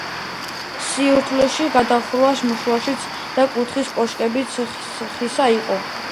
სართულებშუა გადახურვა შუაშიც და კუთხის კოშკებში ხისა იყო.